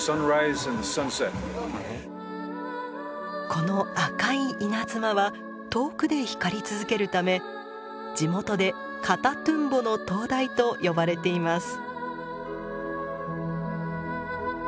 この赤い稲妻は遠くで光り続けるため地元で「カタトゥンボの灯台」と呼ばれています。